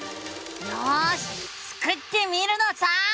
よしスクってみるのさ！